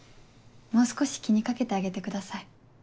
もう少し気に掛けてあげてください。